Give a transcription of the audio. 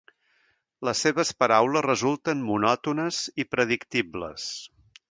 Les seves paraules resulten monòtones i predictibles.